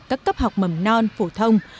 các cấp học mầm non phổ thông